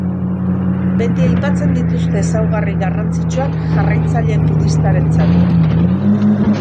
Beti aipatzen dituzte ezaugarri garrantzitsuak jarraitzaile budistarentzat.